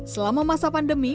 selama masa pandemi